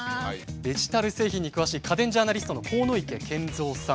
デジタル製品に詳しい家電ジャーナリストの鴻池賢三さん。